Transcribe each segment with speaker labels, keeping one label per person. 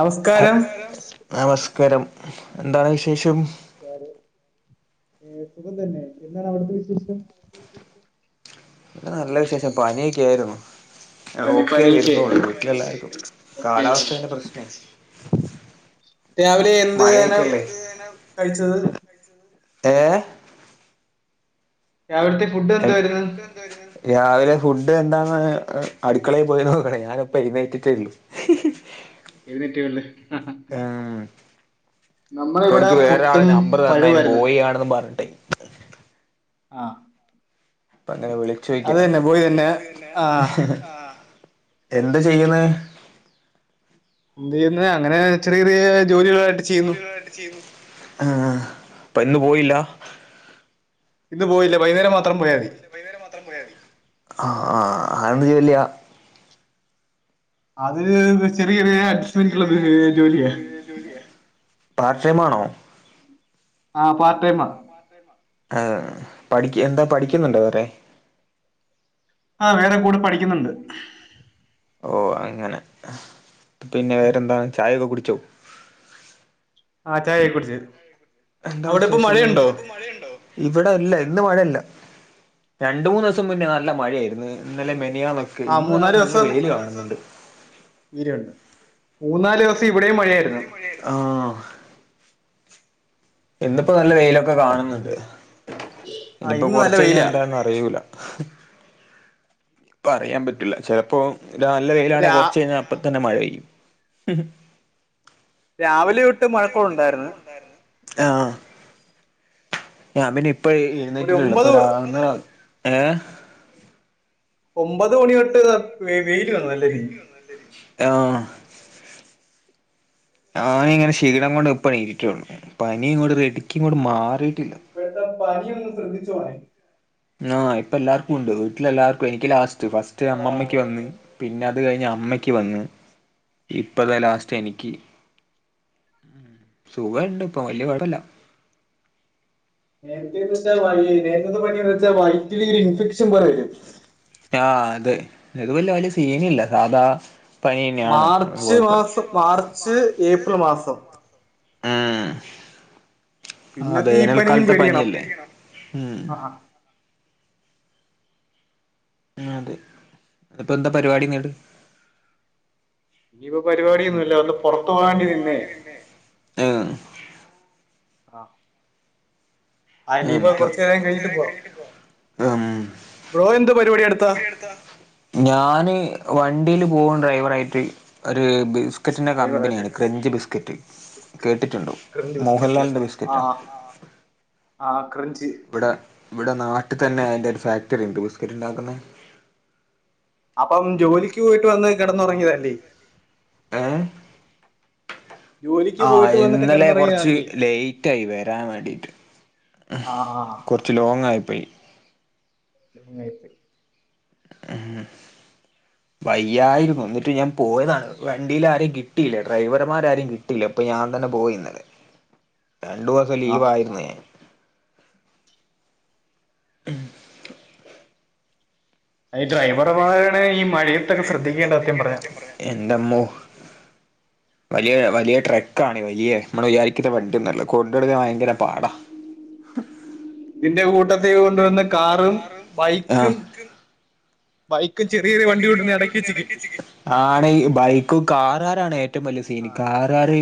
Speaker 1: നമസ്കാരം
Speaker 2: നമസ്കാരം എന്താണ് വിശേഷം
Speaker 1: ഏഹ് സുഖം തന്നെ എന്താണ് അവിടുത്തെ വിശേഷം
Speaker 2: ഇവടൊക്കെ നല്ല വിശേഷം പനിയൊക്കെയായിരുന്നു ഓക്കെ ആയി വരുന്നൊള്ളൂ വീട്ടിലെല്ലാർക്കും കാലാവസ്ഥേന്റെ പ്രശ്നേ
Speaker 1: രാവിലെ എന്ത് [unintelligible] കഴിച്ചത്
Speaker 2: ഏഹ്
Speaker 1: രാവിലത്തെ ഫുഡ് എന്തായിരുന്ന്
Speaker 2: രാവിലെ ഫുഡ് എന്താന്ന് അടുക്കളയിൽ പോയി നോക്കണേ ഞാനിപ്പൊ എഴുന്നേറ്റിട്ടേള്ളൂ [inaudible]
Speaker 1: എഴുന്നേറ്റേ ഉള്ള് നമ്മളെ ഇവിടെ പുട്ടും പഴവുആയിരുന്നു
Speaker 2: [unintelligible] [inaudible]
Speaker 1: ആഹ്
Speaker 2: അപ്പ അങ്ങനെ വിളിച്ചോയ്ക്കട്ടെ എന്ത് ചെയ്യുന്ന്
Speaker 1: എന്ത് ചെയ്യുന്ന് അങ്ങനെ ചെറിയ ചെറിയ
Speaker 2: ആഹ് അപ്പ ഇന്ന് പോയില്ല
Speaker 1: ഇന്ന് പോയില്ല വൈന്നേരം മാത്രം പോയാതി
Speaker 2: ആഹ് ആഹ് അതെന്ത് ജോലിയാ
Speaker 1: അത് ചെറിയൊരു അഡ്ജസ്റ്റ്മെന്റ് ഉള്ള എ ജോലിയ
Speaker 2: പാർട്ട്‌ ടൈം ആണോ
Speaker 1: ആഹ് പാർട്ട് ടൈമാ
Speaker 2: [inaudible] ഏഹ് പഠിക്കാ എന്താ പഠിക്കുന്നുണ്ടോ വേറെേ
Speaker 1: ആഹ് വേറെ കൂടെ പഠിക്കുന്നുണ്ട്
Speaker 2: ഓഹ് അങ്ങനെ പിന്നെ വേറെന്താണ് ചായൊക്കെ കുടിച്ചോ
Speaker 1: ആഹ് ചായക്കെ കുടിച്ച് അവിടെ ഇപ്പൊ മഴയുണ്ടോ
Speaker 2: മഴയുണ്ടോ ഇവിടെ ഇല്ല ഇന്ന് മഴയില്ല രണ്ട് മൂന്ന് ദിവസം മുന്നേ നല്ല മഴയായിരുന്നു ഇന്നലെ മെനിയാന്നൊക്കെ ഇന്ന് നല്ല വെയില് കാണുന്നുണ്ട്
Speaker 1: വീഡിയോ കണ്ടു മൂന്നാല് ദിവസം ഇവിടെയും മഴായിരുന്നു
Speaker 2: ആഹ് ഇന്ന്പ്പോ നല്ല വെയിലൊക്കെ കാണുന്നുണ്ട് ഇനിപ്പോ കുറച്ച് കഴിഞ്ഞാ എന്താന്ന് കഴിയൂല ഇപ്പ അറിയാൻ പറ്റില്ല ചെലപ്പോ നല്ല വെയിലാണെങ്കിൽ കുറച്ച് കഴിഞ്ഞാൽ അപ്പം തന്നെ മഴ പെയ്യും
Speaker 1: രാവിലെ തൊട്ട് മഴക്കോള് ഉണ്ടായിരുന്നു
Speaker 2: ആഹ് ഞാൻ പിന്നെ ഇപ്പം എഴുന്നേറ്റിട്ടേയുള്ളൂ ഇപ്പൊന്ന ഏ
Speaker 1: ഒമ്പത് മണിതൊട്ട് ത വെയിൽ കാണുമല്ലേ നല്ല രീതിയിൽ
Speaker 2: നല്ല വിീ ആഹ് ഞാൻ ഇങ്ങനെ ക്ഷീണം കൊണ്ട് എപ്പോ ഇരിക്കയാണ് പനി ഇങ്ങട്ട് ശരിക്കങ്ങട്ട് മാറിയിട്ടില്ല
Speaker 1: ഇപ്പോഴത്തെ പനി ഒന്ന് ശ്രദ്ധിച്ചോണേ
Speaker 2: ആഹ് ഇപ്പ എല്ലാർക്കും ഉണ്ട് വീട്ടിലെല്ലാർക്കും എനിക്ക് ലാസ്റ്റ് ഫസ്റ്റ് അമ്മക്ക് വന്ന് പിന്നെ അത് കഴിഞ്ഞ് അമ്മയ്ക്ക് ക്ക്‌ വന്ന് ഇപ്പോ ദ ലാസ്റ്റ് എനിക്ക് സുഖ ഉണ്ട് ഇപ്പൊ വലിയ കുഴപ്പല്ല
Speaker 1: നേരത്തെ ന്ന് വച്ച നേരത്തെത്തെ പണിന്ന് വച്ച വൈറ്റില് ഒരു ഇൻഫെക്ഷൻ പറയല്ലും
Speaker 2: ആഹ് അതേ ഇത് വല്യ സീനില്ല സാധാ
Speaker 1: മാർച്ച് മാസം മാർച്ച് ഏപ്രിൽ മാസം
Speaker 2: ആഹ് ആ വേനൽക്കാലത്തെ പനിയല്ലേ ഉം അതെ അതിപ്പോ എന്താ പരിപാടി ഇങ്ങട്
Speaker 1: ഇനിപ്പോ പരിപാടിയൊന്നുമില്ല ഒന്ന് പുറത്ത് പോകാനിരുന്നെയാ
Speaker 2: ഏഹ്
Speaker 1: ആഹ് ആ ഇനിയിപ്പോ കുറച്ചു നേരം കഴിഞ്ഞിട്ട് പോവാ ബ്രോ എന്ത് പരിപാടി എടുത്താ
Speaker 2: [unintelligible] ഞാന് വണ്ടീല് പോകും ഡ്രൈവറായിട്ട് ഒര് ബിസ് ബിസ്ക്കറ്റിന്റെ കമ്പനിയാണ് ക്രഞ്ച് ബിസ്ക്കറ്റ് കേട്ടിട്ടുണ്ടോ മോഹൻലാലിന്റെ ബിസ്കറ്റാ
Speaker 1: ആഹ് ക്രഞ്ച്
Speaker 2: ഇവിടെ ഇവിടെ നാട്ടി തന്നെ അതിന്റെ ഒരു ഫാക്ടറിണ്ട് ബിസ്ക്കറ്റ് ഇണ്ടാക്കുന്ന
Speaker 1: അപ്പം ജോലിക്ക് പോയിട്ട് വന്ന് കെടന്നുറങ്ങിയതല്ലേ
Speaker 2: ഏഹ് ആഹ് ഇന്നലെ കൊറച്ച് ലൈറ്റായി വരാൻ വേണ്ടിട്ട്.
Speaker 1: ആഹ് ആഹ് ആഹ്
Speaker 2: കൊറച്ച് ലോങ്ങായിപ്പോയി.
Speaker 1: ലോങ്ങായിപ്പോയി.
Speaker 2: [inaudible] വയ്യായിരുന്നു എന്നിട്ടും ഞാൻ പോയതാണ് വണ്ടിയിലാരെയും കിട്ടിയില്ല ഡ്രൈവർമാരാരും കിട്ടില്ല അപ്പം ഞാൻ തന്നെ പോയിന്നലേ, രണ്ടു ദിവസം ലീവായിരുന്നേ
Speaker 1: അയിന് ഡ്രൈവർമാരാണെ ഈ മഴയത്തൊക്കെ ശ്രദ്ധിക്കേണ്ടേ സത്യം പറഞ്ഞാ
Speaker 2: എന്റമ്മോ വലിയ വലിയ ട്രക്കാ വലിയ നമ്മള് വിചാരിക്കുന്ന വണ്ടിയൊന്നല്ല കൊണ്ടു നടക്കാൻ ഭയങ്കര പാടാ ഇതിന്റെ കൂട്ടത്തിൽ കൊണ്ട് വന്നാ കാറും, ആഹ്. [unintelligible] ആണ് ബൈക്കും കാറാരാണ് ഏറ്റവും വലിയ സീന് കാറാര്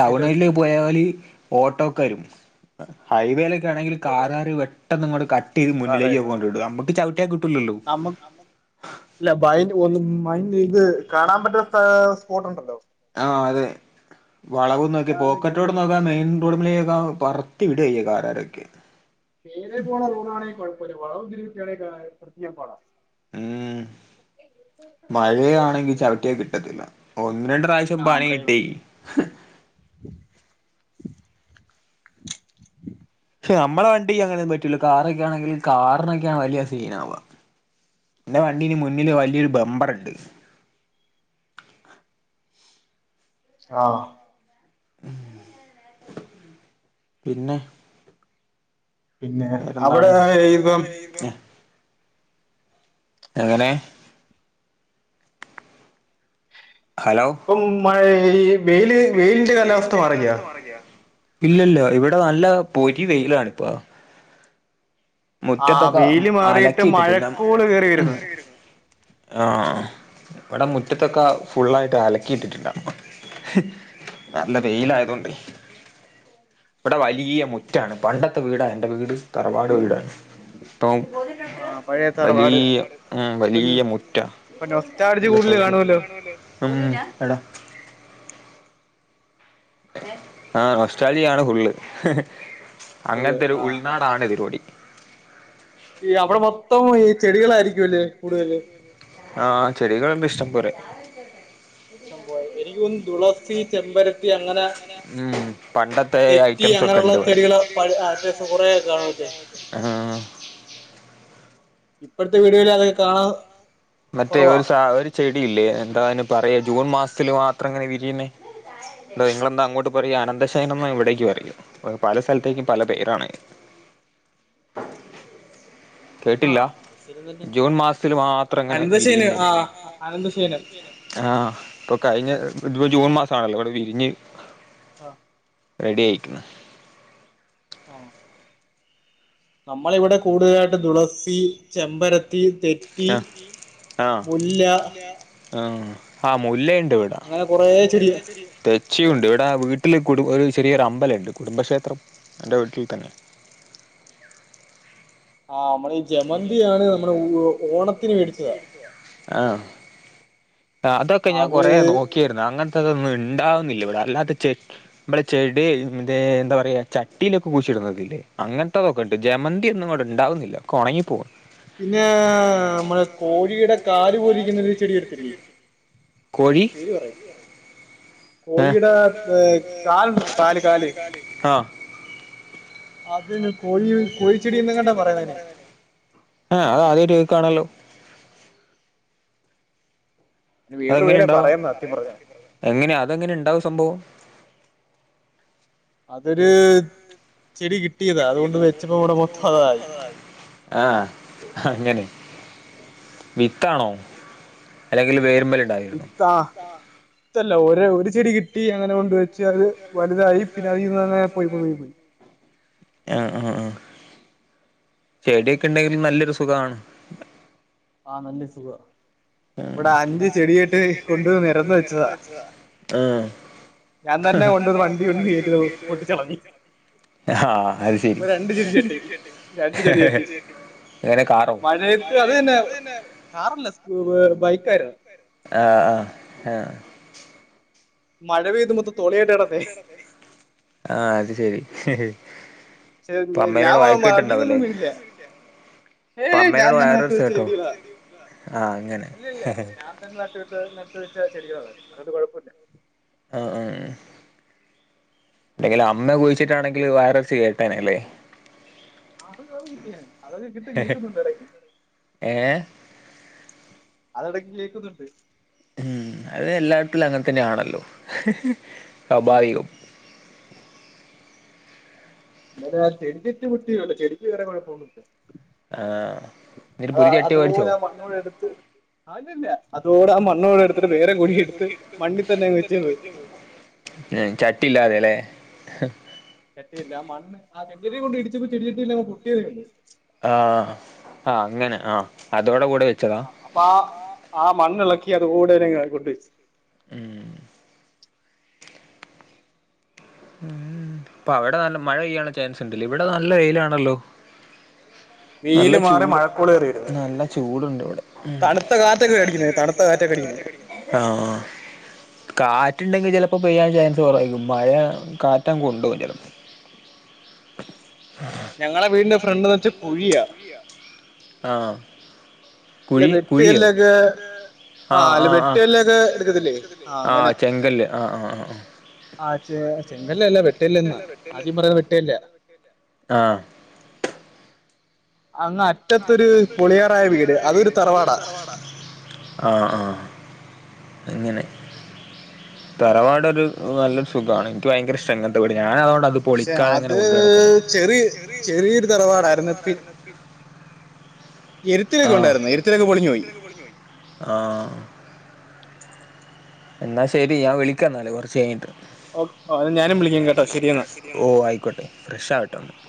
Speaker 2: ടൗണില് പോയോല് ഓട്ടോക്കെരും ഹൈവേല് ലാണെങ്കിൽ കാറാര് പെട്ടെന്ന് ഇങ്ങട്ട് കട്ടെയ്ത് മുന്നിലേക്ക് കൊണ്ട് വരും നമ്മക്ക് ചവിട്ടിയാ കിട്ടൂല്ലല്ലോ
Speaker 1: [unintelligible] മൈന് ഇത് കാണാൻ പറ്റാത്ത സ്പോട്ടുണ്ടല്ലോ
Speaker 2: ആഹ് അതെ വളവ്ന്നൊക്കെ പോക്കറ്റോട് റോഡതാ മെയിൻ റോഡമെലിതാ പറത്തി വിടെയ്യാ കാറാരൊക്കെ
Speaker 1: നേരെ പോണ റൂട്ടാണെ കൊഴപ്പല്ല വളവും തിരിവും [unintelligible] പാടാ
Speaker 2: ഹ്മ്മ് മഴയാണെങ്കി ചവിട്ടിയാ കിട്ടത്തില്ല. ഒന്ന് രണ്ട് പ്രാവിശ്യം പണി കിട്ടി പക്ഷേ നമ്മളെ വണ്ടി അങ്ങനെയൊന്നും പറ്റൂല കാറൊക്കെയാണെങ്കി കാറിനൊക്കെയാണ് വലിയ സീനാവാ എന്റെ വണ്ടീല് മുന്നില് വലിയൊരു ബമ്പറക്ക്
Speaker 1: ആഹ്‌
Speaker 2: [inaudible] പിന്നെ
Speaker 1: പിന്നെ അവിടെ ഇപ്പം
Speaker 2: [unintelligible] എങ്ങനെ ഹലോ
Speaker 1: ഇപ്പം മഴ ഈ വെയില് വെയിലിന്റെ കാലാവസ്ഥ മാറില്ലാ
Speaker 2: [unintelligible] ഇല്ലല്ലോ ഇവിടെ നല്ല പൊരി വെയിലാണ് ഇപ്പ. മുറ്റത്തൊക്കെ അലക്കിട്ടിണ്ട്ണ്ടാ ആഹ്‌ ഇവടെ മുറ്റത്തൊക്കെ ഫുള്ളായിട്ട് അലക്കിയിട്ടിട്ട്ണ്ടാ നല്ല വെയിലായതോണ്ടേ ഇവടെ വലിയ മുറ്റാണ് പണ്ടത്തെ വീടാ എൻ്റെ വീട് തറവാട് വീടാ ട്ടോ, വലിയ ഹ്മ്മ് വലിയ മുറ്റാ
Speaker 1: അപ്പൊ നൊസ്റ്റാൾജി കൂടുതല് കാണുവല്ലോ
Speaker 2: ഹ്മ്മ് എടാ ആ നോസ്റ്റാൾജിയാണ് ഫുള്ള് അങ്ങൻത്തെ ഒര് ഉൾനാ ആണ് ഇതിലൂടി.
Speaker 1: ഈ അവിട മൊത്തം ഈ ചെടികളായിരിക്കുംല്ലേ കൂടുതല്
Speaker 2: ആഹ് ചെടികള്ണ്ട് ഇഷ്ടം പോലെ
Speaker 1: ഇഷ്ട്ടം പോലെ എനിക്കു തോന്നുന്നു തുളസി ചെമ്പര ത്തി അങ്ങനെ തെച്ചി അങ്ങനെയുള്ള ചെടികൾഴ അത്യാവിശ്യം കുറെ കാണുല്ലേ
Speaker 2: ആഹ്
Speaker 1: ഇപ്പോഴത്തെ വീടുകളിൽ അധികം കാണാം
Speaker 2: മറ്റേ ഒരു സ ഒരു ചെടിയില്ലേ എന്താപറയാ ജൂൺ മാസത്തില് മാത്രം ഇങ്ങനെ വിരിയണേ എന്താ നിങ്ങളെന്താ അങ്ങോട്ട് പറയ അനന്തശൈനം ന്നാ ഇവിടേക്കു പറയ പല സ്ഥലത്തേക്കും പല പേരാണ് കേട്ടില്ല ജൂൺ മാസത്തിൽ മാത്രം അങ്ങനെ വിരിയുന്ന ആഹ് ഇപ്പൊ കഴിഞ്ഞ ഇപ്പോ ജൂൺ മാസമാണല്ലോ ഇവിടെ വിരിഞ്ഞ്
Speaker 1: ആഹ്
Speaker 2: റെഡി ആയിക്കണ്
Speaker 1: ആ നമ്മളിവിടെ കൂടുതലായിട്ട് തുളസി ചെമ്പര ത്തി തെറ്റി മുല്ല
Speaker 2: ആ ആ മുല്ലയുണ്ട് ഇവിടാ തെച്ചിയുണ്ട് ഇവിടാ വീട്ട വീട്ടിൽ ഒരു ചെറിയൊരു അമ്പലുണ്ട് കുടുംബക്ഷേത്രം എൻ്റെ വീട്ടിൽ തന്നെ
Speaker 1: ആഹ് നമ്മള ഈ ജമന്തിയാണ് നമ്മുടെ ഓണത്തിന് മേടിച്ചത
Speaker 2: ആഹ് അതൊക്കെ ഞാൻ കൊറേ നോക്കി രുന്നു അങ്ങനത്തെതൊന്നും ഉണ്ടാവുന്നില്ല ഇവിടെ അല്ലാതെ ചെ നമ്മളെ ചെടി മറ്റേ എന്താ പറയാ ചട്ടിയിലൊക്കെ കുഴിച് ഇടുന്നല്ലേ അങ്ങനത്തെതൊ ക്കെണ്ട് ജമന്തി ഒന്നും ഇവിടെ ഉണ്ടാവുന്നില്ല ഒക്കെ ഒണങ്ങി പോവ
Speaker 1: പിന്നെ നമ്മെളെ കോഴിയുടെ കാല് പോലരിക്കുന്നരു ചെടി കണ്ടിട്ടില്ലേ പേര് പറയു കോഴിയുടെ കാൽ കാല് കാല് അതിന് കോഴി കോഴിച്ചെടിന്നങ്ങണ്ടാ പറയുന്നേനെ
Speaker 2: ആഹ് അത് ആദ്യയിട്ടു കേൾക്കാണല്ലോ അതെങ്ങനെയുണ്ടാവ എങ്ങനെ അതെങ്ങനെ ഉണ്ടാവും സംഭവം
Speaker 1: അതൊരു ചെടി കിട്ടിയതാ അതുകൊണ്ട് വെച്ചപ്പോ ഇവിടെ മൊത്തം അതായി
Speaker 2: [unintelligible] ആഹ് അങ്ങനെ
Speaker 1: ആഹ്
Speaker 2: വിത്താണോ അല്ലെങ്കിൽ വേര്മ്മല്
Speaker 1: വിത്താ വിത്തല്ല ഒര് ഒരു ചെടി കിട്ടി അങ്ങനെ കൊണ്ട് വെച്ച് അത് വലുതായി പിന്നെ അതിൽ നിന്ന് തന്നെ പോയി പോയി പോയി പോയി
Speaker 2: ആഹഹ് ആ ആ ചെടിയൊക്കെ ഉണ്ടെങ്കിൽ നല്ലൊരു സുഖമാണ്
Speaker 1: ആ നല്ല സുഖാ ഇവിടെ അഞ്ച് ചെടിയായിട്ട് കൊണ്ട് നിരന്ന് വെച്ചതാ ഞാൻ തന്നെ കൊണ്ടുവന്ന് വണ്ടി കൊണ്ട് കേറ്റിയത് പൊട്ടിച്ചളഞ്ഞ് ഒരു രണ്ട് ചെടിചട്ടി രണ്ട് ചെടിചട്ടി മഴയത്ത് അത് തന്നെ കാറല്ല ബൈക്കായിരുന്നു
Speaker 2: ആ ആ ആഹ്
Speaker 1: മഴ പെയ്ത് മൊത്തം തൊളിയായിട്ടടാ
Speaker 2: ആഹ് അത് ശെരി
Speaker 1: [unintelligible] ഞാൻ വണ്ടിയിൽനിന്നൊന്നും വീണില്ല ഏയ് ഞാൻ തന്നെ നട്ട് വെച്ച ചെടികളാ അല്ലല്ല ഞ [unintelligible] നട്ട് വെച്ച ചെടികളാ അതുകൊണ്ട് കുഴപ്പല്ല
Speaker 2: ആ ആ അല്ലെങ്കിലും അമ്മ കുഴിച്ചിട്ടാണെങ്കിലും വൈറസ് കെട്ടിനല്ലേ
Speaker 1: [unintelligible] [unintelligible]
Speaker 2: ഏഹ്
Speaker 1: അതിടക്ക് കേൾക്കുന്നുണ്ട്
Speaker 2: ഉം അത് എല്ലായിടത്തിലും അങ്ങനെ തന്നെയാണല്ലോ [unintelligible]
Speaker 1: ഇന്നലെ ആ ചെടിച്ചെട്ടി പൊട്ടിയതെയുള്ളൂ ചെടിക്ക് വേറെ കുഴപ്പൊന്നുംഇല്ല അഹ് അതുപോലെ മണ്ണൂടെ എട്ത്ത് അയില് ല്ലേ അതോടെ ആഹ് മണ്ണോടെ എടുത്തിട്ട് വേറെ കുഴിയെടുത്ത് മണ്ണിൽ തന്നെ വെച്ചത്
Speaker 2: ചട്ടില്ലാതെ ല്ലെ
Speaker 1: ചട്ടിയില്ല ആഹ് മണ്ണ് ആഹ് ചട്ടിയിൽ കൊണ്ട് ഇടിച്ചപ്പോ ചെടി ചെട്ടിയെല്ലാം പൊട്ടിയതേയുള്ളൂ
Speaker 2: ആഹ് ആഹ് അങ്ങനെ ആ അതോടെ കൂടെ വെച്ചത
Speaker 1: അപ്പൊ ആഹ് ആഹ് മണ്ണിളക്കി അതുകൂടെ അങ്ങ് കൊണ്ടുവെച്ച്
Speaker 2: ഉം ഉം അപ്പൊ അവിടെ നല്ല മഴ പെയ്യാനുള്ള ചാൻസ് ഇണ്ട്ല്ലേ ഇവിടെ നല്ല വെയിലാണല്ലോ നല്ല ചൂട് നല്ല ചൂടുണ്ട് ഇവിടെ ഉം ആഹ് കാറ്റുണ്ടെങ്കി ചിലപ്പോൾ പെയ്യാൻ ചാൻസ് കുറവായിരിക്കും മഴ കാറ്റങ്ങ് കൊണ്ടുപോകും ചിലപ്പോ
Speaker 1: ഞങ്ങളെ വീടിന്റെ ഫ്രണ്ട് വെച്ചു
Speaker 2: ആഹ്
Speaker 1: ഇല്ല വെട്ട്കല്ലേക്കെ ആഹ് അല്ല വെട്ടുകല്ലൊക്കെ എടുക്കത്തില്ലേ ആഹ് അങ്ങനെ
Speaker 2: ആഹ് ആഹ് ആഹ് ആഹ്
Speaker 1: ആഹ് ചെ ചെങ്കല്ലല്ല വെട്ടുകല്ലെന്ന ആദ്യം പറയ വെട്ടുകല്ല
Speaker 2: ആഹ്
Speaker 1: അങ്ങ
Speaker 2: അങ്ങറ്റത്തൊരു പൊളിയാറായ വീട് അതൊരു തറവാടാ ആഹ് ആഹ് അങ്ങനെ തറവാട് ഒരു നല്ലൊരു സുഖാണ് എനിക്ക് ഭയങ്കര ഇഷ്ടാ അങ്ങന
Speaker 1: ആഹ് പക്ഷെ അത് ചെറിയ ചെറിയൊരു തറവാടായിരുന്നു പി എരിത്തിലൊക്കെ ഉണ്ടായിരുന്നു എരിത്തിലൊക്കെ പൊളിഞ്ഞുപോയി
Speaker 2: ആഹ് എന്നാ ശെരി ഞാൻ വിളിക്കാം എന്നാല് കുറച്ച് കഴിഞ്ഞിട്ട് ഓ ആയിക്കോട്ടെ ഫ്രഷ് ആവുട്ടോ